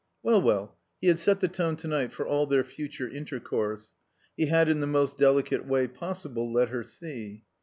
Well, well, he had set the tone to night for all their future intercourse; he had in the most delicate way possible let her see.